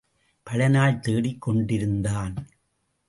பல நாள் தேடிக் கொண்டிருந்தான்.